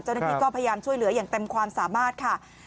เจ้าหน้าที่ก็พยายามช่วยเหลืออย่างเต็มความสามารถค่ะ